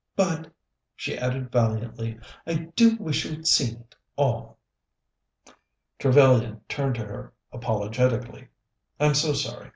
But," she added valiantly, "I do wish we'd seen it all!" Trevellyan turned to her apologetically. "I'm so sorry.